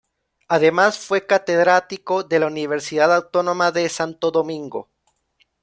Además fue catedrático de la Universidad Autónoma de Santo Domingo.